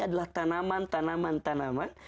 adalah tanaman tanaman tanaman